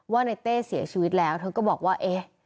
ว่าในเต้เสียชีวิตแล้วเธอก็บอกว่าเอ๊ะ